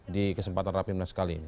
di kesempatan rapi mela sekali ini